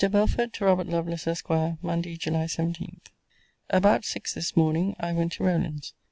BELFORD, TO ROBERT LOVELACE, ESQ. MONDAY, JULY 17. About six this morning, I went to Rowland's.